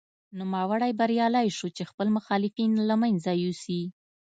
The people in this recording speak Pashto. نوموړی بریالی شو چې خپل مخالفین له منځه یوسي.